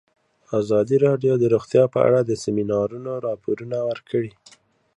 ازادي راډیو د روغتیا په اړه د سیمینارونو راپورونه ورکړي.